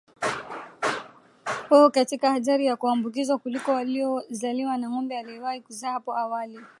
wako katika hatari ya kuambukizwa kuliko waliozaliwa na ng'ombe aliyewahi kuzaa hapo awali